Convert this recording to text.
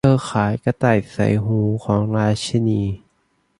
เธอขายกระต่ายใส่หูของราชินี